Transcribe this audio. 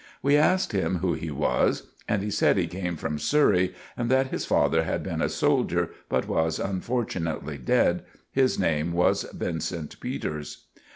We asked him who he was, and he said he came from Surrey, and that his father had been a soldier, but was unfortunately dead. His name was Vincent Peters.